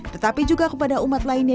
tetapi juga kepada umat lainnya